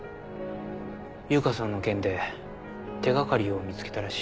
悠香さんの件で手掛かりを見つけたらしい。